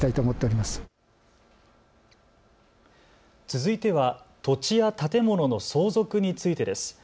続いては土地や建物の相続についてです。